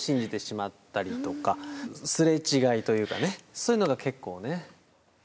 そういうのが結構ね。